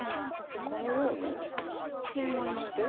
でこのようにケイマして。